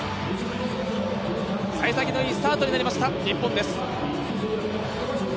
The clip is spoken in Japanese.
さい先のいいスタートになりました、日本です。